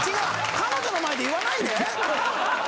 彼女の前で言わないで。